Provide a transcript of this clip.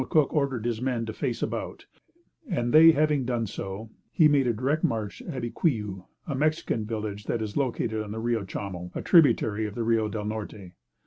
Cook ordered his men to face about, and they having done so, he made a direct march to Abiquiu, a Mexican village that is located on the Rio Chamo, a tributary of the Rio del Norte.